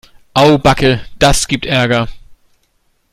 Au backe, das gibt Ärger.